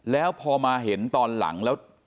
แล้วพอมาเห็นตอนหลังแล้ว